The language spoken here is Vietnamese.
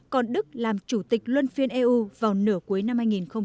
còn đức làm chủ tịch luân phiên eu vào nửa cuối năm hai nghìn hai mươi